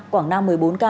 quảng nam một mươi bốn ca